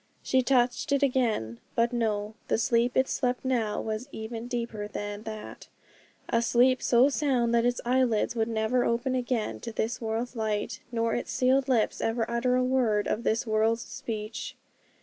She touched it again; but no, the sleep it slept now was even deeper than that a sleep so sound that its eyelids would never open again to this world's light, nor its sealed lips ever utter a word of this world's speech.